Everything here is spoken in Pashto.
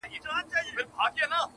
و سر لره مي دار او غرغرې لرې که نه,